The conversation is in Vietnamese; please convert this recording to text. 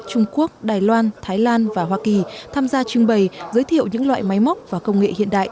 trung quốc đài loan thái lan và hoa kỳ tham gia trưng bày giới thiệu những loại máy móc và công nghệ hiện đại